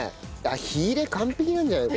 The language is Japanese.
火入れ完璧なんじゃない？